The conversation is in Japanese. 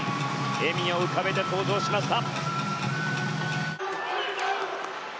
笑みを浮かべて登場しました。